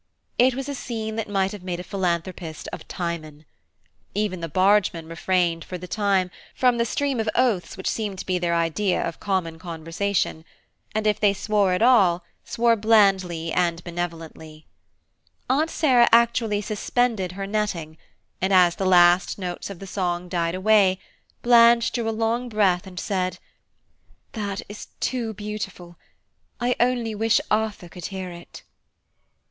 It was a scene that might have made a philanthropist of Timon. Even the bargemen refrained, for the time, from the stream of oaths which seem to be their idea of common conversation, and if they swore at all, swore blandly and benevolently. Aunt Sarah actually suspended her netting, and as the last notes of the song died away, Blanche drew a long breath and said, "That is too beautiful–I only wish Arthur could hear it."